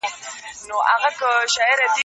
ماقبل التاريخ لرغونپوهنه د تېر ژوند نښي څېړي.